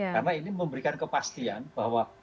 karena ini memberikan kepastian bahwa